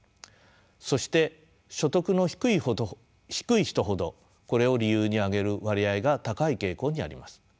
そして所得の低い人ほどこれを理由に挙げる割合が高い傾向にあります。